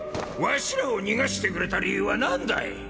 わしらを逃がしてくれた理由は何だい？